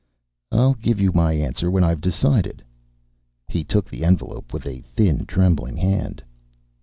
"I'll give you my answer when I've decided." He took the envelope with a thin, trembling hand.